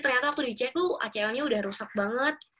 ternyata waktu dicek tuh acl nya udah rusak banget